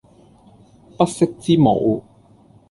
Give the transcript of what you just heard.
不識之無